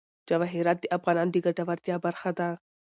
جواهرات د افغانانو د ګټورتیا برخه ده.